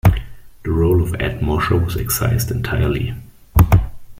The role of Ed Mosher was excised entirely.